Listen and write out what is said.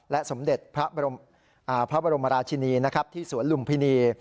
สมเด็จพระบรมราชินีที่สวนลุมพินี